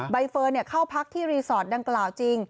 ใบเฟิร์นเข้าพักที่รีสอร์ทดังกล่าวจริง